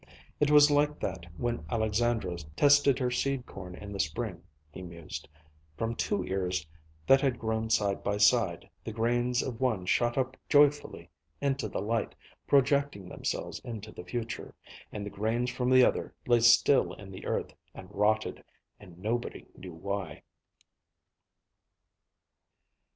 It was like that when Alexandra tested her seed corn in the spring, he mused. From two ears that had grown side by side, the grains of one shot up joyfully into the light, projecting themselves into the future, and the grains from the other lay still in the earth and rotted; and nobody knew why.